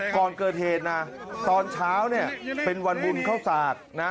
ก่อนเกิดเหตุนะตอนเช้าเนี่ยเป็นวันบุญเข้าสากนะ